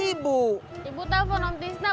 ibu telepon kang tisna buat nganterin aku